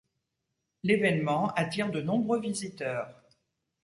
L'évènement attire de nombreux visiteurs.